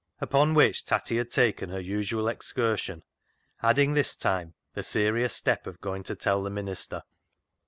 Upon which Tatty had taken her usual excursion, adding this time, the serious step of going to tell the minister.